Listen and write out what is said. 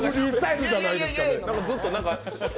ずっと何？